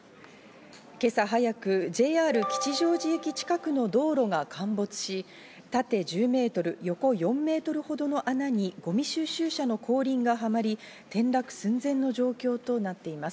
今朝早く、ＪＲ吉祥寺駅近くの道路が陥没し、縦１０ｍ横４ｍほどの穴にゴミ収集車の後輪がはまり、転落寸前の状況となっています。